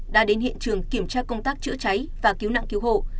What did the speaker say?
đã đến hiện trường kiểm tra công tác chữa cháy và cứu nạn cứu hộ